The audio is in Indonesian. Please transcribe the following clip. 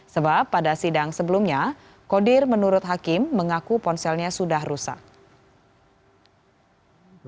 sebab pada sidang sebelumnya kodir menurut hakim mengaku ponselnya sudah rusak